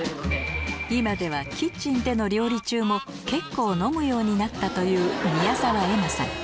今ではキッチンでの料理中も結構飲むようになったという宮澤エマさん